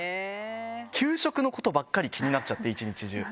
給食のことばっかり気になっちゃって、一日中。